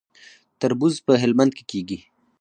تربوز په هلمند کې کیږي